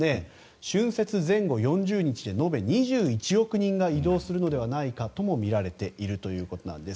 春節前後４０日で延べ２１億人が移動するのではないかともみられているということです。